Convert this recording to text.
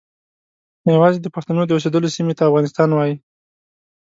یوازې د پښتنو د اوسیدلو سیمې ته افغانستان وایي.